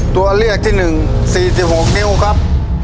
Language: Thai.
ตัวเลือกที่๑๔๖นิ้วครับ